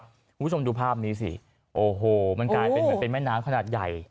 คุณผู้ชมดูภาพนี้สิโอ้โหมันกลายเป็นแม่น้ำขนาดใหญ่